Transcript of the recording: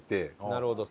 なるほど。